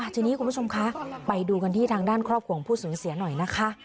ทีนี้คุณผู้ชมคะไปดูกันที่ทางด้านครอบครัวของผู้สูญเสียหน่อยนะคะ